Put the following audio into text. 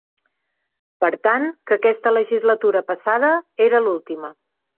Per tant, que aquesta legislatura passada era l’última.